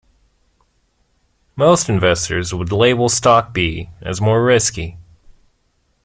Most investors would label stock B as more risky.